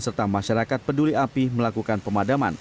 serta masyarakat peduli api melakukan pemadaman